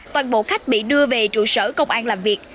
toàn bộ khách bị đưa về trụ sở công an làm việc